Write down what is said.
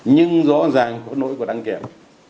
nhưng rõ ràng có nỗi của đăng kiểm